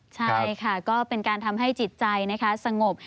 ใช่ค่ะก็เป็นการทำให้จิตใจสงบ